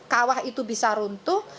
kawah itu bisa runtuh